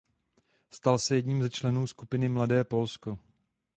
Stal se jedním ze členů skupiny Mladé Polsko.